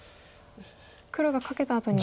黒がカケたあとに。